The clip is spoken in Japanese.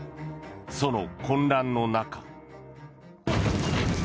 その混乱の中。